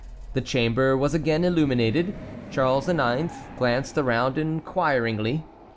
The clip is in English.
The chamber was again illuminated. Charles IX. glanced around inquiringly.